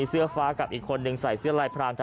หัวหลักหัวหลัก